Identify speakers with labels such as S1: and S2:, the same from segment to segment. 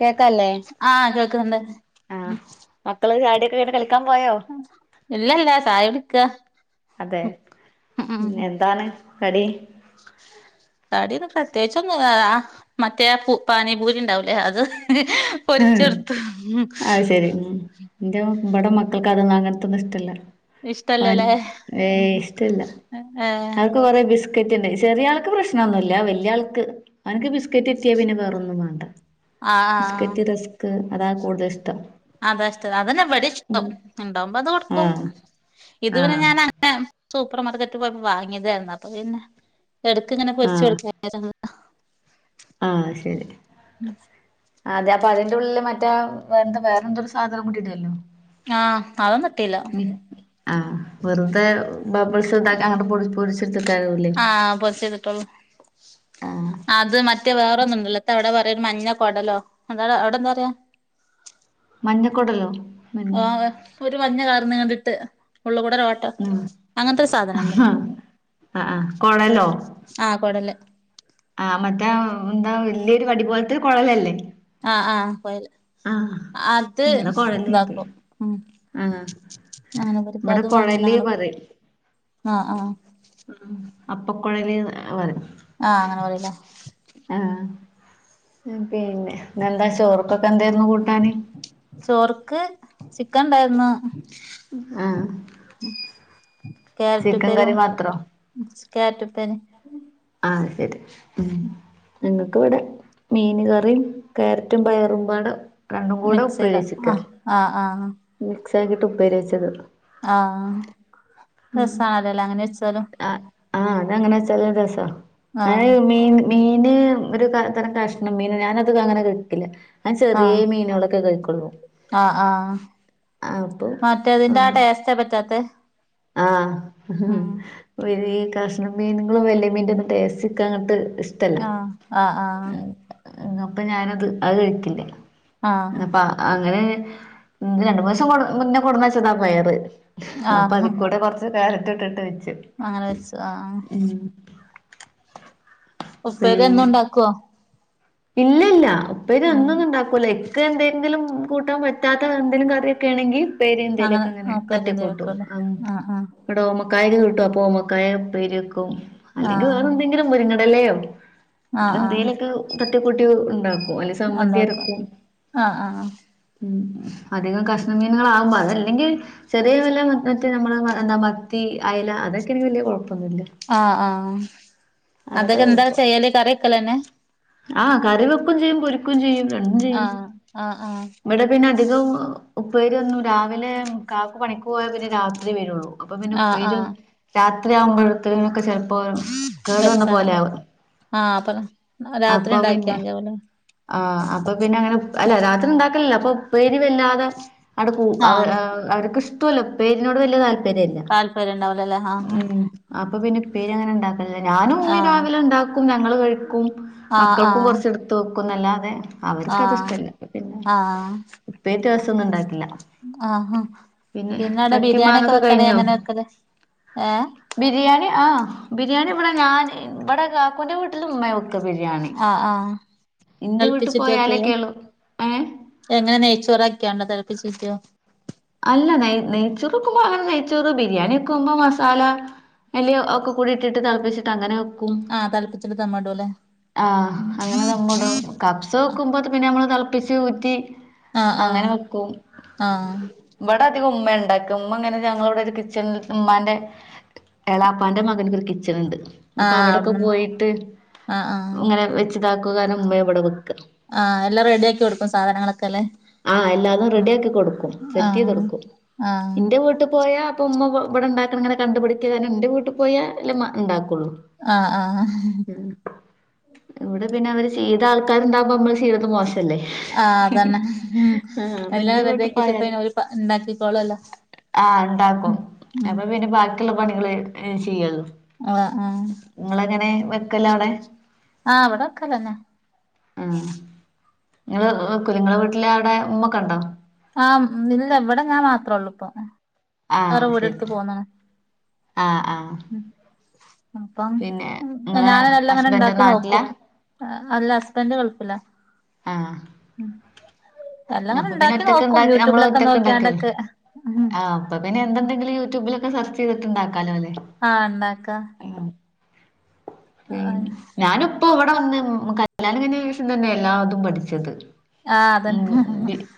S1: കേക്കാ ല്ലേ
S2: ആഹ് കേൾക്കുന്നുണ്ട്
S1: ആഹ് മക്കള് ചാടി
S2: ഇല്ലല്ല ചായുടിക്ക
S1: അതെ എന്താണ് കടി
S2: കടിന്നു പ്രത്യേച്ചൊന്നു ആഹ് മറ്റേആ പാനി പൂരി ണ്ടാവുലേ അത് അത് പൊരിച്ചൊടുത്തു
S1: അത് ശരി എന്റെ മ്പടെ മക്കൾക്ക്‌ അതൊന്നു അങ്ങൻത്തൊന്നു ഇഷ്ടല്ല പ
S2: ഇഷ്ടല്ലല്ലേ
S1: ഏ ഇഷ്ടല്ല
S2: ഏ
S1: അവൊക്ക കൊറെ ബിസ് സ്കറ്റെന്നെ ചെറിയ ആൾക്ക് പ്രശ്നൊന്നുല്ല വെല്ല്യ ആൾക്ക് ഓൻക്ക് ബിസ്ക്കറ്റ് ട്ടിയാ പിന്നെ വെറൊന്നും വാണ്ട
S2: ആ ആ
S1: ക്കറ്റ് റസ്ക് അതാ കൂടുതല് ഇഷ്ടം
S2: അതാഷ്ട അതന്നെ വ്ടെ ഇഷ്ടം
S1: ഉം
S2: ഉണ്ടാവുമ്പോ അത് കൊടുക്കും
S1: ആഹ്
S2: ഇതു പിന്നെ
S1: ആഹ്
S2: ഞാൻ അങ്ങനെ സൂപ്പർ മാർക്കറ്റ് പോയ്പ്പൊ വാങ്ങിയതാരുന്നു അപ്പൊ പിന്നെ എടക്ക്‌ ങ്ങനെ പൊര്ച്ചു
S1: ആഹ്
S2: കൊട്ക്ക [unintelligible]
S1: ആഹ് ശരി അതെ അപ്പൊ അതിന്റെ ഉള്ളില് മറ്റാ എന്ത വേറെന്തൊരു സാധനം കൂടി ടല്ലോ
S2: ആഹ് അവൻ ത്തില്ല
S1: ആഹ് വെറുതെ ബബ്ൾസ് താക്ക അങ്ങട്ട് പൊടി പൊടിച്ച്
S2: ആഹ് പൊര്ച്ച് തിട്ടോള്ളൂ
S1: ആഹ്
S2: അത് മറ്റേ വേറൊന്നു ണ്ടല്ലോ ത്തവ ന്താ പറയാ ഒരു മഞ്ഞ കൊടലോ ന്തട അവ്ട ന്താ പറയാ
S1: മഞ്ഞക്കുടലോ
S2: ആഹ് ഒരു മഞ്ഞ കളർ ന്നീണ്ടിട്ട് ഉള്ളുകൂടരോട്ട
S1: ആഹ്
S2: അങ്ങൻത്തൊര് സാധനണ്ട്
S1: ആഹ് ആഹ് ആഹ് കൊഴലോ
S2: ആഹ് കൊടല്
S1: ആഹ് മറ്റേ ന്താ വല്ല്യൊരു വടി പോൽത്തൊര് കൊഴലല്ലേ
S2: ആ ആഹ് കൊയല്
S1: ആഹ്
S2: അത്
S1: ഇവിടെ കൊഴല്
S2: താക്കും
S1: പറയും
S2: ഉം
S1: ആഹ്
S2: ആങ്ങന വെറുതാ
S1: ഇവിടെ
S2: അത് വങ്ങ്യ
S1: കൊഴല്
S2: ല്ലരും
S1: [inaudible]
S2: ആ ആഹ്
S1: ഉം അപ്പക്കുഴല്ന്ന് അ പറിം
S2: ആഹ് അങ്ങന പറി ല്ലേ
S1: മ് പിന്നെ ന്നെന്താ ചോർക്കൊക്കെ ന്തെ
S2: ചോർക്ക് ചിക്കൻ ണ്ടായിര്ന്നു
S1: ആഹ്
S2: കാര്റ്റ്
S1: ചിക്കൻ
S2: പ്പേരും
S1: കറി മാത്രോ
S2: കാര്റ്റുപ്പേരി
S1: അതതത ഉം ങ്ങൾക്ക് ഇവിടെ മീൻ കറിയും ക്യാരറ്റും പയറുമ്പാട രണ്ടുകൂടെ
S2: മിക്സ് ചെയ്ത ആ
S1: ഉപ്പേിച്ചിക്ക
S2: ആ ആ
S1: മിക്സ് ആക്കിയിട്ട് ഉപ്പേരിിച്ചത്
S2: ആഹ രസണല്ലല്ലോ അങ്ങനെ വെച്ചാലും
S1: ആഹ് ആഹ് അതങ്ങനെ വച്ചല്ല ദസ
S2: ആ
S1: എ മീൻ മീ പിന്നെ ഒരു ത കഷ്ണം മീന ഞാനത് അങ്ങനെ കിട്ടില്ല ഞൻ
S2: ആ
S1: ചെറിയ മീനുകളൊക്കെ കഴിക്കൊുള്ളൂ
S2: ആ ആ മറ്റേതിന്റെ ആ ടേസ്റ്റേ പറ്റാത്ത
S1: ആഹ് ഉം ഒരു കഷ്ണ മീനങ്ങളും വലിയ മീൻ ഒും ടേസ്റ്റ്ക്കെ അങ്ങട്ട് ഇഷ്ടല്ല
S2: ആ ആഹ് ആഹ്
S1: അപ്പൊ ഞാനത് അത് കഴിക്കില്ല
S2: ആഹ്
S1: അപ്പ അങ്ങനെ രണ്ടു മുസം കൊ മുന്നേ കൊടുന്നാച്ചതാ പോയറ്
S2: ആ
S1: കാലത്തട്ടുണ്ട്
S2: അങ്ങനെ വെച്ച താ ഉപ്പര് എന്നുംണ്ടാക്കോ
S1: ഇല്ല ഇല്ല ഉപ്പേരി എന്നൊന്നും ഉണ്ടാക്കൂല എക്കെ എന്തെങ്കിലും കൂട്ടാൻ പറ്റാത്ത എന്തങ്കലും കറിയൊക്കെ ആണെങ്കിൽ പേര്
S2: അങ്ങനെ
S1: എന്തേലുമൊക്കെ ഇങ്ങനെ
S2: ഉപ്പേരി എന്തേ
S1: തട്ടിക്കൊട്ടും
S2: വെക്കുവല്ലേ ആഹ്
S1: ഇവിടെ കായക കട്ടും അപ്പൊമ്മക്കായ പേര് വെക്കും
S2: ആഹ്
S1: അല്ലെങ്കിൽ വേറെ
S2: ആഹ്
S1: എന്തെങ്കിലും മുരിങ്ങടലെ
S2: ആഹ് ആഹ്
S1: എന്തേലൊക്കെ തട്ടക്കുട്ടി ഉണ്ടാകും അല്ല സമ്മന്തി
S2: ഉണ്ടാക്കും
S1: ഇറക്കും
S2: ആഹ് ആഹ്
S1: ഉം അധികം കഷ്ണ മീനുകൾ ആകുമ്പോ അത അല്ലെങ്കിൽ ചെറിയ വല മ നമ്മള് എന്താ മത്തി ആ ലാ അതൊക്കെ വല്യ കുഴപ്പ
S2: ആഹ ആഹ് അതൊക്കെ എന്താ ചെയ്യല്േ കറിക്കലന്നെ
S1: ആഹ് കറിവെക്കും ചെയ്യും പുരിക്കും ചെയ്യും രണ്ടും ചെയ്യും
S2: ആഹ് ആഹ് ആഹ്
S1: ഇവിടെ പിന്നെ അധികം ഉപ്പേരിയോന്നു രാവിലെ കാക്കു പണിക്ക് പോയാ പിന്നെ രാത്രി വരുള്ളൂ അപ്പ പിന്നെ
S2: ആഹ്
S1: ഉപ്പേരിയോ
S2: ആഹ്
S1: അത്രരിയാവുമ്പോഴത്തരിന്നൊക്കെ ചെപ്പോ കേടു വന്ന
S2: വെച്ചാ
S1: പോലെ
S2: മതി
S1: ആകും
S2: ആഹ് അപ്പൊ രാത്രി ഉണ്ടാക്കിയാ മതിയാവുംലെ
S1: ആ അപ്പൊ പിന്നെ അങ്ങനെ അല്ലെ രാത്രി ഉണ്ടാക്കലല്ലോ അപ്പൊ ഉപ്പേരില്ലാതെ അവിടെക്ക അവ
S2: ആഹ്
S1: അവർക്ക് ഇഷ്ടല്ല ഉപേരിനോട് വലിയ താല്പര്യല്ല
S2: താല്പര്യം ഉണ്ടാവൂലല്ലേ ആഹ്
S1: ഉ അപ്പൊ പിന്നെ പേര് അങ്ങനെ ഉണ്ടാക്കില്ല ഞാനും ഇമ്മി
S2: ആഹ്
S1: രാവിലെ ഉണ്ടാക്കും ഞങ്ങൾ കഴിക്കും
S2: ആഹ്
S1: മക്കൾക്കും
S2: ആഹ്
S1: കുറച്ചെടുത്ത്ും ക്കുന്നല്ലാതെ അവർക്ക് അത്
S2: ആഹ്
S1: ഇഷ്ടല്ല പിന്നെ
S2: ആഹ്
S1: ഇപ്പേ ദിവസംൊന്നും ഉണ്ടാക്കില്ല
S2: ആഹാ പിന്നെ അവിടെ
S1: ചക്കേം
S2: ബിരിയാണി ഒക്കെ
S1: മാങ്ങൊക്കെ
S2: വെക്കണേ
S1: കഴിഞ്ഞോ
S2: എങ്ങനെ വെക്കല് ഏഹ്
S1: ബിരിയാണി ആഹ് ബിരിയാണി ഇവിടെ ഞാൻ ഇവിടെ കാക്കുന്റെ വീട്ടിൽ ഉമ്മ
S2: ആഹ് ആഹ്
S1: ഇന്റെ വീട്ടിൽ
S2: ളപ്പിച്ചിട്ടൊക്കെ
S1: പോയാലൊക്കെയുള്ളു ഏ
S2: എങ്ങനെ നെയ്ച്ചോറക്കിയാണ്ട തള പ്പിച്ചിക്കോ
S1: അല്ല നെയ നെയ്ച്ചോറ ഒക്കുമ്പോ അങ്ങനെ നെയ്ച്ചോറ് ബിരിയാണി ഒക്കുമ്പോ മസാല വലിയ ഒക്കെ കൂടി ഇട്ടിട്ട് തളപ്പിച്ചിട്ട്ങ്ങനെ
S2: ആഹ് തല്പപ്പിച്ചൽ തമ്മടോല്ലെ
S1: ആ അങ്ങനെ ദമ്മടും കപ്സ വെക്കുമ്പോ പിന്നെ നമ്മള് ളപ്പിച്ച് ഊറ്റി
S2: ആ ആ
S1: അങ്ങനെ
S2: ആഹ്
S1: അധിക ഉമ്മ ഉണ്ടാക്കി ഉമ്മ ഇങ്ങനെ ഞങ്ങളവിടെ ഒരു കിച്ചണ മ്മാന്റെ എളാപ്പാന്റെ മകൻക്ക് ഒരു കിച്ചൺ ഉണ്ട് അപ്പൊ
S2: ആഹ്
S1: അവിടെൊക്കെ
S2: അവിടുന്ന്
S1: പോയിട്ട്
S2: ആഹ് ആഹ്
S1: ഇങ്ങനെ വെച്ചതാക്കുകാനമ്മ അവിടെ
S2: ആ എല്ലാം റെഡിയാക്കി കൊടുക്കും സാധനങ്ങളൊക്കെല്ലേ ഉം ആഹ് ആഹ്
S1: സെറ്റെയ്തെടുക്കുംന്റെ വീട്ട് പോയാ അപ്പൊ ഉമ്മ ഇവിടെ ഉണ്ടാക്ക ഇങ്ങനെ കണ്ടുപിടിക്കാനുണ്ട് വീട്ടിൽ പോയാ അല്ല ഉണ്ടാക്കും
S2: ആ ആ
S1: ഇവിടെ പിന്നെ അവര് ചെയ്ത ആൾക്കാരുണ്ടാകുമ്പോ നമ്മള് ചെയയ്തത് മോശം ല്ലേ
S2: ആഹ് അതന്നെ ഉം
S1: ആ
S2: എല്ലാം
S1: അപ്പൊന്റെ
S2: റെഡിയാക്കി
S1: വീട്ടിപോായാല
S2: വെച്ചിട്ട് ഓര് ഉണ്ടാക്കിക്കോളല്ലോ
S1: ആഹ ഉണ്ടാക്കും
S2: ഉം
S1: അപ്പൊ പിന്നെ ബാക്കിയുള്ള പണികൾ ചെയ്യുളു-
S2: ആഹ ആ
S1: ക്കലാണ്
S2: ആഹ് ഇവിടെൊക്കെ ഇതന്നെ.
S1: ഉ നിങ്ങള് കുലുങ്ങളെ [unintelligible] വീട്ടില് അവിടെ ഉമ്മൊക്കെ ഉണ്ടോ?
S2: ആഹ ഇല്ല എവിടെ ഞാൻ മാത്രേ ഉള്ളൂ ഇപ്പൊ വേറെ വീടെ എടുത്ത് പോുന്നാണ്.
S1: ആഹ ആഹ
S2: അപ്പം ഞാനെനെല്ലാം ഇങ്ങനെ
S1: ഹസ്ബൻഡ്
S2: ഇണ്ടാക്കി
S1: നാട്ടിലാ
S2: നോക്കും. അല്ല ഹസ്ബൻഡന്റ് ഗൾഫിലാ.
S1: ആഹ
S2: ഉം എല്ലാം ഇങ്ങനെ
S1: അപ്പൊ പിന്നെ
S2: ഇണ്ടാക്കി
S1: ഒറ്റക്ക
S2: നോക്കും
S1: ഇണ്ടക്ക നമ്മള്
S2: യൂട്യൂബിലൊക്കെ
S1: ഒറ്റകക്ക് ഇണ്ടാക്കല്ല
S2: നോക്കിയാണ്ടൊക്കെ ഉം
S1: ആ അപ്പ പിന്നെ എന്തുണ്ടെങ്കിലും. യൂട്യൂബിലൊക്കെ സെർച്ച് ചെയ്തിട്ടു ണ്ടാക്കാലോ അല്ലെ
S2: ആഹ് ഇണ്ടാക്കാ
S1: പി
S2: ആഹ്
S1: ഞാനും ഇപ്പൊ ഇവിടെ വന്ന് കല്യാണം. കഴിഞ്ഞതിനുശേഷം തന്നെ എല്ലാതും പഠിച്ചത്.
S2: ആഹ്
S1: ഉം
S2: അതന്നെ.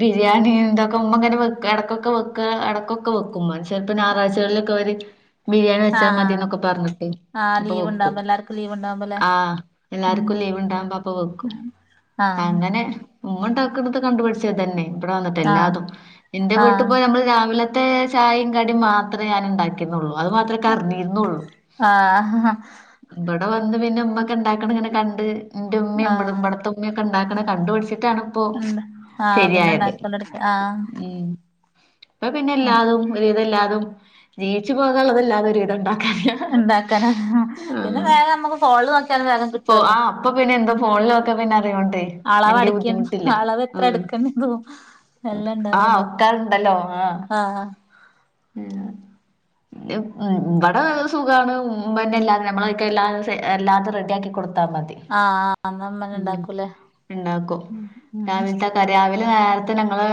S1: ബിരിയാണി ഇതക്കുമ്പ ഇങ്ങനെ വെക്ക ഇടക്കൊക്കെ വെക്ക ഇടക്കൊക്കെ വെക്കും. ഉമമ ചിലപ്പപ്പോ
S2: ആഹ്
S1: ഞായറാഴ്ചകളിലൊക്കെ ഇവര് ബിരിയാണി വെച്ചാൽ മതി
S2: ആഹ്
S1: എന്നൊക്കെ പറഞ്ഞിട്ട്.
S2: ആഹ്
S1: അപ്പൊ
S2: ലീവ്
S1: വെക്കും
S2: ഉണ്ടാവുമ്പോ എല്ലാർക്കും ലീവ് ഉണ്ടാവുമ്പോല്ലേ
S1: ആഹ
S2: ഉം
S1: എല്ലാർക്കും ലീവ്. ഉണ്ടാവുമ്പോ അപ്പൊ വെക്കും.
S2: ആഹ്
S1: അങ്ങനെ ഉമ്മണ്ടാക്കുന്നത് കണ്ടുപടിച്ച തന്നെ ഇവിടെ വന്നിട്ട്
S2: ആഹ്
S1: എല്ലാതും. ഇന്റെ വീട്ടിൽ
S2: ആഹ്
S1: പോയ നമ്മൾ രാവിലെ മറ്റേ ചായയും കടിയും മാത്രമേ ഞാൻ ഇണ്ടാക്കിയുന്നുള്ളൂ. അത് മാത്രമേ ൻകരിഞ്ഞിരുന്നുള്ളു.
S2: ആഹ്
S1: ഇവിടെ വന്ന് പിന്നെ ഉമ്മ ഒക്കെ ഉണ്ടാക്കണ ഇങ്ങനെ കണ്ട്, എന്റെ ഉമ്മയും ഇവട
S2: ആഹ്
S1: ഇവിടത്തെമ്മ ഒക്കെ ഉണ്ടാക്കണ കണ്ട് പഠിച്ച ട്ടണിപ്പോ
S2: ആഹ പിന്നെണ്ടാക്കലൊടത്തി. ആഹ
S1: ഉം ഇപ്പൊ പിന്നെ എല്ലാതും ഒരു വിധം എല്ലാതും, ജീവിച്ചു പോകാനുള്ളതല്ലാതും, ഒരു വിധം ണ്ടാക്കും.
S2: ഇണ്ടാക്കാന പിന്നെ വേഗം നമുക്ക് ഫോണിൽ നോക്കിയാലും വേഗം കിട്ടുവല്ലോ?
S1: ൊക്കെ [unintelligible]
S2: അളവ്
S1: വല്യ
S2: അടക്കി
S1: ബുദ്ധിമുട്ടില്ല
S2: അളവ്
S1: ഉ
S2: എത്ര എടുക്കണ്ടതും എല്ലാം
S1: ആഹ
S2: ഇണ്ടാവല്ലോ
S1: ഒക്കൊഅത്ണ്ടല്ലോ ആഹ
S2: ആഹ്
S1: മ് ഇവിടെ സുഖമാണ് പിന്നെല്ലാതെ [unintelligible] നമ്മളക്കല്ലാല്ലാതും റെഡി ആക്കിടുത്ത
S2: ആഹ് അന്ന്
S1: [unintelligible]
S2: അമ്മന്നെ
S1: ഉം
S2: ഇണ്ടാക്കൂലേ
S1: ണ്ടാക്കും
S2: ഉം ഉം
S1: രാവിലത്തെ നേരത്തെ ഞങ്ങള്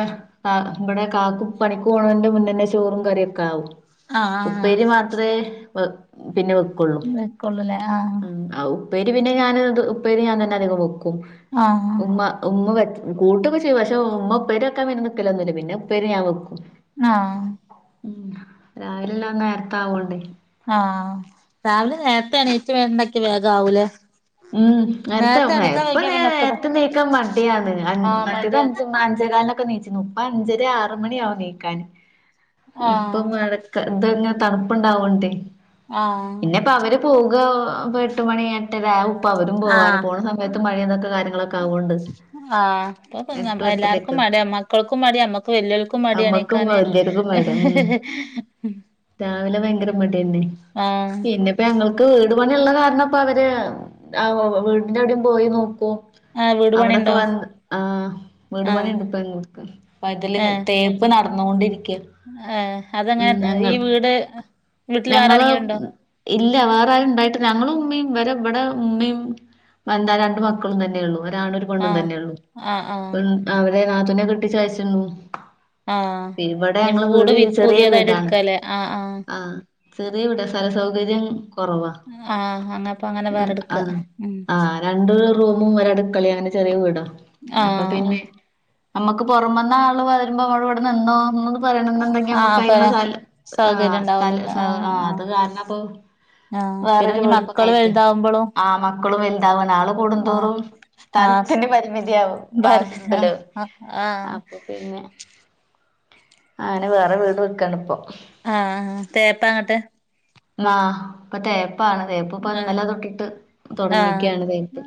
S1: ഇവിടെ കാക്കു പണിക്ക് പോണതിന്റെ മുന്നന്നെ ചോറും കറിയൊക്കെ ആകും.
S2: ആഹ് ആഹ്
S1: ഉപ്പേരി മാത്രേ വോ പിന്നെ വെക്കൊള്ളൂ.
S2: വെക്കുള്ളൂല്ലേ ആഹ്
S1: ആഔ ഉപ്പേരി പിന്നെ ഞാൻ ഉപ്പേരി ഞാൻ തന്നെ അധികം വെക്കും.
S2: ആഹ്
S1: ഉമ്മ ഉമ്മ കൂട്ടൊക്കെ ചെയ്യും പക്ഷേ ഉമ്മ ഉപ്പേരി വെക്കാൻ പിന്നെനിക്കലൊന്നുല പിന്നെ ഉപ്പേരി ഞാൻ വെക്കും.
S2: ആഹ്
S1: ഉ രാവിലെല്ലാം നേർത്തെ ആാവോണ്ടേ
S2: ആഹ രാവിലെ നേരത്തെ എണീറ്റ് വേണ്ടാക്കിയ വേഗാവൂലേ.
S1: ഉം നേരത്തെ ഇപ്പ
S2: പിന്നെ ഒക്കെ ഇതാ
S1: നേരത്തെ നീക്കാൻ മടിയാണ്.
S2: ആഹ്
S1: മറ്റേത്
S2: മടിയാ
S1: അഞ്ച് അഞ്ച് കാല്ക്കെ നീച്ചിന്നു ഇപ്പൊ അഞ്ചര ആറ് മണിയാവും നീക്കാൻ ഇപ്പ
S2: ആഹ്
S1: അക്ക ഇത്ങ്ങനെ തണുപ്പുണ്ടാവൊണ്ടേ.
S2: ആഹ്
S1: പിന്നപ്പോ അവര് പോകാ ഇപ്പ എട്ട് മണി ഏടരാകും. അപ്പ അവരും പോവാന് പോണ
S2: ആഹ്
S1: സമയത്ത് മഴ ഇതൊക്കെ കാര്യങ്ങളൊക്കെ ആവോണ്ട്, എട്ടും എട്ടരൊക്കെയാവും.
S2: അതെ മക്കൾക്കും മടി. അമ്മക്ക് വല്യോൽക്കും മടി.
S1: അമ്മക്കും
S2: എണിക്കാനെ
S1: ആ ഭയങ്കര മടിന്നെ
S2: ആഹ്
S1: പിന്നെപ്പോ ഞങ്ങക്ക് വീട് പണിയിള്ള കാരണം. ഇപ്പ അവര് ആ വീടിന്റെറെവിയും പോയി നോക്കും
S2: ആ
S1: അവിടെൊക്കെ വന്ന് ആ് വീട് പണിുണ്ട്
S2: ആഹ്
S1: ഇപ്പ എങ്ങക്ക് അപ്പ അതില്
S2: ഏഹ്
S1: തേപ്പ് നടന്ന വന്നുകൊണ്ടിരി ക്ക
S2: ഏഹ്
S1: ഉം
S2: അതെങ്ങനെ ഈ
S1: ഞങ്ങള്
S2: വീട് വീട്ടിൽ വേറെ
S1: ഞങ്ങള്
S2: ആരെങ്കിലും ഉണ്ടോ
S1: ഇല്ല വേറെും ഉണ്ടായിട്ട് ഞങ്ങളും ഉമ്മിയും വരെ ഇവിടെ ഉമ്മിയും എന്താ രണ്ട് മക്കളും തന്നെ ഉള്ളൂ ഒരാണും ഒരു പെണ്ണും
S2: ആഹ്
S1: തന്നെയള്ളൂ
S2: ആഹ് ആഹ്
S1: അവരെ നാത്തൂനെ കെട്ടിച്ചയച്ച്ണ്
S2: ആഹ്
S1: ഇവിടെ
S2: ഇനി
S1: ഞങ്ങള് വീട്
S2: വി
S1: ചെറിയ
S2: പുതിയതായിട്ട്
S1: വീടാണ്
S2: എടുക്കാല്ലേ ആഹ് ആഹ്
S1: ആ ചെറിയ വീടാ സ് സ്ഥല സൗകര്യം കൊറവാ
S2: ആ അങ്ങപ്പൊ അങ്ങനെ വേറെ എടുക്ക
S1: ആ രണ്ട് റൂമും ഒരടുക്കളയാണ് ചെറിയ വീടോ അപ്പൊ
S2: ആഹ്
S1: പിന്നെ നമ്മുക്ക് പുറമന്ന് ആള് വരുമ്പോ നമ്മള് ഇവിടെ നിന്നോന്ന് പറയണ എന്നുണ്ടെങ്കി
S2: ആഹ്
S1: നമുക്ക്
S2: അപ്പ
S1: അതിനുള്ള സ്ഥ ആ്
S2: സൗകര്യം
S1: സ്ഥല
S2: ഉണ്ടാവൂലല്ലോ ആഹ്
S1: അത്
S2: ആഹ്
S1: കാരണം അപ്പൊ
S2: ആഹ് പിന്നെ
S1: വേറൊരു
S2: ഇനി മക്കള്
S1: വീടുപ്പൊക്കെയറ്റാ
S2: വലുതാവുമ്പളും
S1: ആ മക്കളും വെൽതാവാ ആള്
S2: ആഹ്
S1: കൂടുന്തോറും
S2: ആഹ്
S1: സ്ഥലത്തിന്റെ പരിമിതിയാവും ആവശ്യ ഇതല്
S2: ആഹ് ആഹ്
S1: അപ്പൊ പിന്നെ ആങ്ങനെ വേറെ വീട് വെക്കാണ് ഇപ്പൊ
S2: ആ തേപ്പാ ഇങ്ങട്ട്
S1: ആ ഇപ്പൊ തേപ്പാണ് തേപ്പ ഇപ്പൊ ഇന്നലെ തൊട്ടിട്ട്
S2: ആ
S1: തുടങ്ങിക്കാണ് തേപ്പ്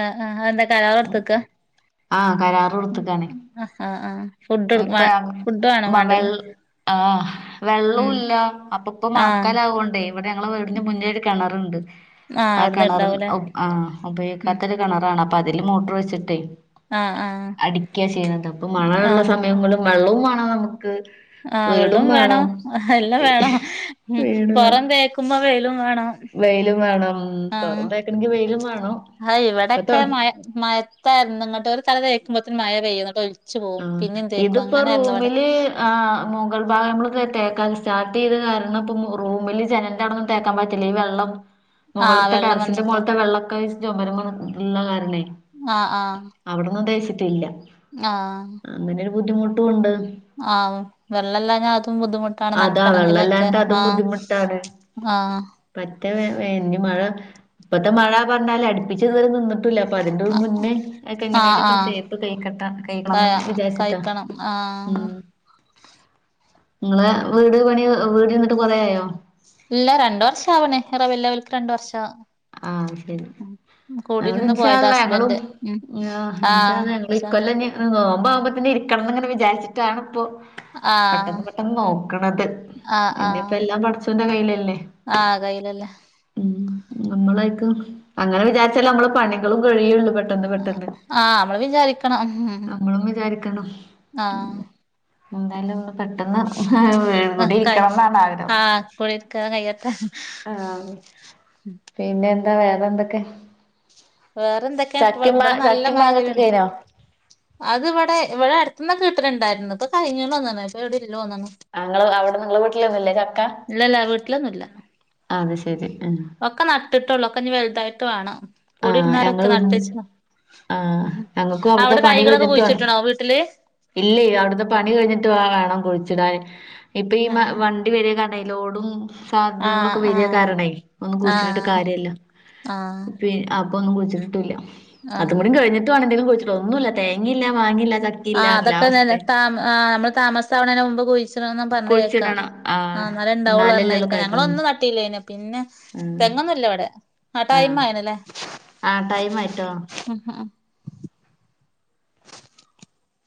S2: ആ ആ എന്താ കരാർ കെടുത്തക്കാ
S1: ആഹ് കരാറ് കൊടുത്തക്കാണ്
S2: ആ ഫുള്
S1: ഇപ്പ വെ ആ വെള്ളവും
S2: ഉം
S1: ഇല്ല അപ്പെ ഇപ്പം
S2: ആഹ്
S1: മഴക്കാലം ആവോണ്ടേ ഇവിടെ ഞങ്ങള്ടെ വീടിന് മുന്നേ ഒരു കിണറുണ്ട്
S2: ആ അവിടന്ന്
S1: കിണർ
S2: ഇണ്ടാവും
S1: ആ ഉപയോഗിക്കാത്തൊരു കിണറാണ് അപ്പൊ അതില് മോട്ടർ വെച്ചിട്ടേ
S2: ആഹ് ആഹ്
S1: അടിക്ക ചെയ്യുന്നത് അപ്പൊ മഴ ഉള്ള സമയങ്ങളിൽ വെള്ളവും മാണ് നമുക്ക്
S2: ആ
S1: വീടും
S2: വെള്ളം വേണോ
S1: വേണം
S2: എല്ലാം വേണോ ഉ
S1: വീട് വേ-
S2: പൊറം തേക്കുമ്പോ വെയിലും വേണോ
S1: വെയിലും വേണം വെറുതേക്കണണമെങ്കി വെയിലും വേണം
S2: ആ ഇവിടെൊക്കെ
S1: ഇപ്പത്തെ
S2: മ മഴത്തായിരുന്നു ഇങ്ങോട്ടൊ ഒരു തല തേക്കുമ്പോത്തേ മഴ പെയ്യും എനിട്ട് ഒലിച്ചു
S1: ആ
S2: പോവും പിന്നിം തേക്കും
S1: ഇതിപ്പോ
S2: അങ്ങനായിരുന്നു ഇവിടെ
S1: റൂമില് ആ മുഗൽ ഭാഗംമ്മളയാ സ്റ്റാർട്ട് ചെയ്ത് കാരണം ഇപ്പ റൂമില് ജനന്റെ അണൊന്നും തേക്കാൻ പറ്റില്ല ഈ വെള്ളം
S2: ആഹ്
S1: മുകളളത്തെ
S2: വെള്ളം
S1: ടെറസിന്റെ
S2: വന്നിട്ട്
S1: മുഖളത്തെ വെള്ളൊക്കെ ചുമര ഉള്ള കാരണം അവിടന്നും തേച്ചിട്ടില്ല
S2: ആ
S1: അങ്ങനെ ഒരു ബുദ്ധിമുട്ടും ഉണ്ട്
S2: ആ വെള്ളം ഇല്ലാഞാ അതും ബുദ്ധിമുട്ടാണ്
S1: അതാ
S2: നനക്കണെങ്കിലൊക്കെ
S1: വെള്ളല്ലാഞ്ഞിട്ട്
S2: ആ
S1: അതും
S2: ആ
S1: ഇയ മഴ ഇപ്പഴത്തെ മഴ പറഞ്ഞാല് അടുപ്പിച്ചതുവരെ നിന്നിട്ട് കട്ട അപ്പൊ അതിന്റെ മുന്നേെ
S2: ആഹ്
S1: എങ്ങനേലൊക്കെ
S2: ആഹ്
S1: തേപ്പ് കൈക്കട്ട
S2: ക
S1: ന്ന് വിചാരിച്ചിട്ടാ
S2: കഴിക്കണം ആഹ്
S1: ഉം നിങ്ങളെ വീട് പണി വീട് നിന്നിട്ട് കൊറയയോ
S2: ഇല്ല രണ്ട വർഷം ആവണേ ഈ റബീഹ് അവൽക്ക് രണ്ട് വർഷം
S1: ആ ശരി
S2: കൂടിരുന്ന് പോയതാ
S1: ഇന്ശാല്ലാഹ് ഞങ്ങളും
S2: ഹസ്ബൻഡ് ഉം ആഹ്
S1: ഇന്ശാല്ലാഹ് ഞങ്ങള്
S2: സം
S1: കൊല്ലം നോമ്പ ആകുമ്പോത്തന്നെ ഇരിക്കണം എങ്ങനെ വിചാരിച്ചട്ടാണ് ഇപ്പോ
S2: ആഹ്
S1: പെട്ടെന്ന് പെട്ടെന്ന് നോക്കണത് ഇന്നപ്പ എല്ലാം പഠച്ചൂന്റെ കയ്യിലല്ലേ
S2: ആ കയ്യിലല്ലേ
S1: നമ്മളായിക്കും അങ്ങനെ വിചാരിച്ചാല നമ്മള് പണികളും കഴിയുള്ളൂ പെട്ടെ പെട്ടെന്ന് പെട്ടെന്ന്
S2: ആഹ് നമ്മള് വിചാരിക്കണം ഉം
S1: നമ്മളും വിചാരിക്കണം.
S2: ആഹ്
S1: എന്തായാലും ഒന്ന് പെട്ടെന്ന് കൂടി
S2: ആഹ് കഴി
S1: ഇരിക്കണം എന്നാണ് ആഗ്രഹം
S2: ആഹ് കുടിയിരിക്കൽ കഴിയട്ടെ
S1: ആ പിന്നെ എന്താ വേറെ എന്തൊക്കെ
S2: വേറെ എന്തൊക്കെയാ
S1: ചക്കിം മാ
S2: ഇവിടെ നല്ല
S1: ചക്കിം
S2: മഴ
S1: മാങ്ങൊക്കെ
S2: വരുണ്ട്
S1: കഴിഞ്ഞോ?
S2: അതിവിടേ ഇവ്ടെ അടുത്തുന്നൊക്കെ കിട്ടല് ണ്ടാര്ന്നു ഇപ്പൊ കഴിഞ്ഞ്ന്ന്തോന്നണ് പ്പഎവി തോന്ന്ണ്
S1: ആങ്ങള് അവിടെ നിങ്ങളെ വീട്ടിലൊന്നുല്ലേ ചക്ക?
S2: ഇല്ലല്ല വീട്ടിലൊന്നല്ല
S1: അത് ശരി ആഹ്
S2: ഒക്കെ നട്ടിട്ടൊള്ളൂ ഒക്കെ ഇനി വലുതായിട്ട് വേണം
S1: ആഹ് ഞങ്ങൾ
S2: കൂടിരുന്നോരൊക്കെ
S1: ഇവിടുന്ന്
S2: നട്ടച്ച് ഉ
S1: ആഹ്
S2: ഹും
S1: ഞങ്ങൾക്കും അവിടുത്തെ
S2: -അവിടെ
S1: പണി
S2: തൈകളൊക്കെ
S1: കഴിഞ്ഞിട്ട് വേണം
S2: കുഴിച്ചിട്ടുണോ വീട്ടില്
S1: ഇല്ലേ അവിടുത്തേ പണി കഴിഞ്ഞിട്ട് വ് വേണം കുഴി ഇടാന് ഇപ്പൊ ഈ മ
S2: ആഹ്
S1: വണ്ടി വരിക കണ്ട ലോടും
S2: ആഹ്
S1: സാധ്യത്ങ്ങളൊക്കെ വലിയ
S2: ആഹ്
S1: കാരണായി ഒന്നും കുയ്ച്ചിട്ടിട്ട്
S2: ആഹ്
S1: കാര്യല്ല
S2: ആഹ്
S1: അപ്പൊന്നും കുഴിച്ചിട്ടിട്ടൂല്ല
S2: ആഹ്
S1: അതുംകൂടി കഴിട്ട് വേണം എന്തെങ്കിലും കുഴിച്ചിടാൻ ഒന്നുമല്ല തേങ്ങയില്ല മാങ്ങില്ല
S2: ആ അതൊക്കെ നെന് താ ആ് നമ്മള് താമസാവണേന് മുമ്പ് കുഴിച്ചിട്ണ്ന്ന് പറഞ്ഞഞ് കേക്കാം
S1: കുഴിച്ചിടണം
S2: ആഹ്
S1: എന്നാലല്ലേ ഉള്ളൂ
S2: ന്നരംഇണ്ടാവളരണക്ക
S1: കായ്ക്കൂ
S2: ഞങ്ങള ഒന്നും നട്ടീല്ലനെ പിന്നെ
S1: ആഹ്
S2: തെങ്ങൊന്നുംഇല്ല ഇവിടെ ആ ടൈമീ മഴേനെല്ലേ
S1: ആ ടൈം ആയിട്ടോ
S2: ആ